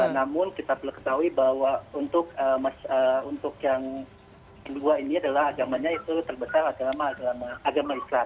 namun kita perlu ketahui bahwa untuk yang kedua ini adalah agamanya itu terbesar agama islam